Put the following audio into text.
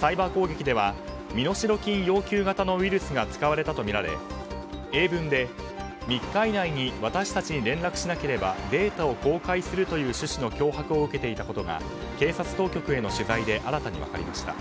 サイバー攻撃では身代金要求型のウイルスが使われたとみられ英文で、３日以内に私たちに連絡しなければデータを公開するとの趣旨の脅迫を受けていたことが警察当局への取材で新たに分かりました。